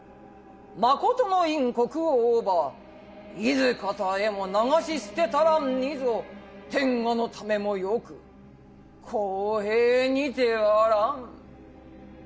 誠の院・国王をば何方へも流し捨てたらんにぞ天下のためも能く公平にてあらん」。